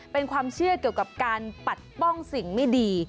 เป็นความเชื่อเกี่ยวกับการปัดป้องสิ่งไม่ดี